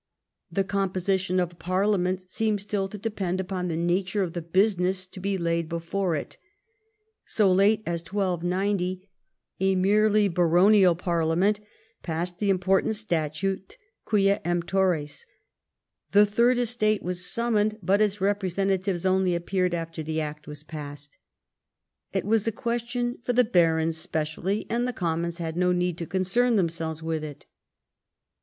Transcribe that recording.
The composition of a parliament seemed still to depend upon the nature of the business to be laid before it. So late as 1290 a merely baronial parliament passed the important Statute Quia Emptores. The third estate was summoned, but its representatives only appeared after the act was passed. It was a question for the barons specially, and the commons had no need to concern themselves with it.